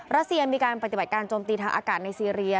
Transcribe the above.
รัสเซียมีการปฏิบัติการโจมตีทางอากาศในซีเรีย